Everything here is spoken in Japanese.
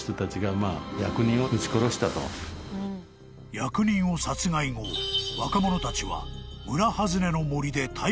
［役人を殺害後若者たちは］